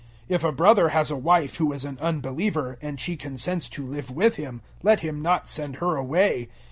If a brother has a wife who is an unbeliever, and she consents to live with him, let him not send her away.